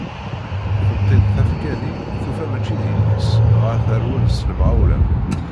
Tetti-d tafekka-nni, tufa mači d yelli-s dɣa terwel s lemɣawla.